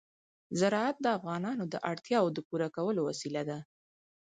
زراعت د افغانانو د اړتیاوو د پوره کولو وسیله ده.